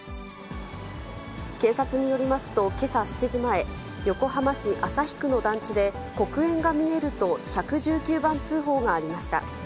警察によりますと、けさ７時前、横浜市旭区の団地で、黒煙が見えると１１９番通報がありました。